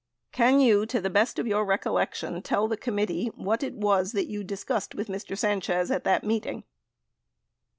Can you, to the best of your recollection, tell the committee what it was that you discussed with Mr. Sanchez at that meeting?